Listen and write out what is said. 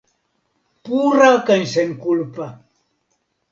Pura kaj senkulpa!